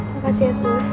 makasih ya sus